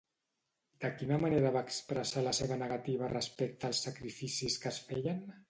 De quina manera va expressar la seva negativa respecte als sacrificis que es feien?